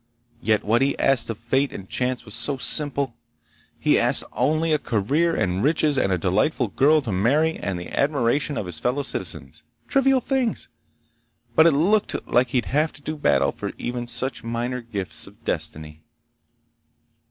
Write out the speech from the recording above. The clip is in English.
Yet what he asked of fate and chance was so simple! He asked only a career and riches and a delightful girl to marry and the admiration of his fellow citizens. Trivial things! But it looked like he'd have to do battle for even such minor gifts of destiny!